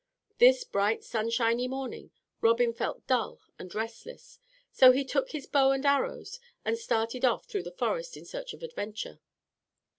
This bright sunshiny morning Robin felt dull and restless, so he took his bow and arrows, and started off through the forest in search of adventure.